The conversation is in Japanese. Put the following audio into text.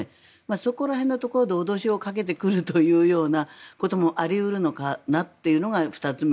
そこら辺のところで、脅しをかけてくるというようなこともあり得るのかなっていうのが２つ目。